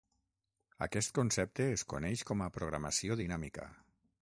Aquest concepte es coneix com a programació dinàmica.